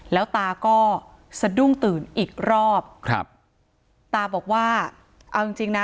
แล้วตาก็สะดุ้งตื่นอีกรอบครับตาบอกว่าเอาจริงจริงนะ